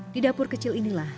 di dapur kecil inilah